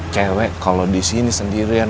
cewek kalo disini sendirian